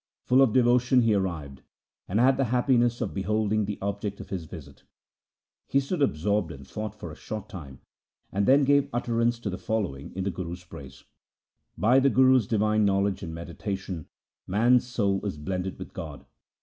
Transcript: Full of devotion he arrived and had the happiness of beholding the object of his visit. He stood absorbed in thought for a short time, and then gave utterance to the following in the Guru's praise :— By the Guru's divine knowledge and meditation man's soul is blended with God.